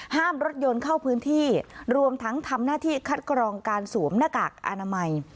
ห้ามรถยนต์เข้าพื้นที่รวมทั้งทำหน้าที่คัดกรองการสวมหน้ากากอนามัย